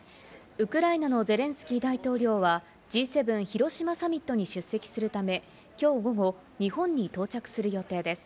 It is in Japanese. ウクライナのゼレンスキー大統領はＧ７広島サミットに出席するためきょう午後、日本に到着する予定です。